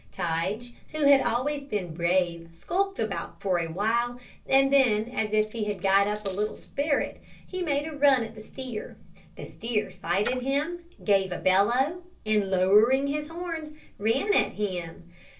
Tige, who had always been brave, skulked about for a while, and then, as if he had got up a little spirit, he made a run at the steer. The steer sighted him, gave a bellow, and, lowering his horns, ran at him.